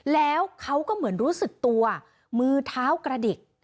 แล้วเขาก็เหมือนรู้สึกตัวมือเท้ากระดิก